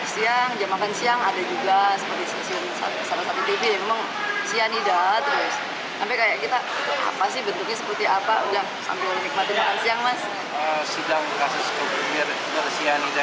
siang jam makan siang ada juga seperti sesuatu tv yang memang bersianida